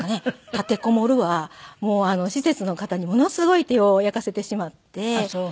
立てこもるわもう施設の方にものすごい手を焼かせてしまって。